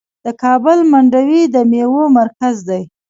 د کابل منډوي د میوو مرکز دی.